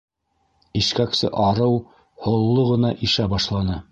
Ишкәксе арыу, һолло ғына ишә башланы.